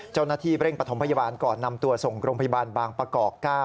เจ้าหน้าที่เร่งปฐมพยาบาลก่อนนำตัวส่งโรงพยาบาลบางประกอบ๙